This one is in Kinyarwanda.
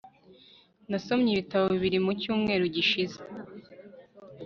nasomye ibitabo bibiri mu cyumweru gishize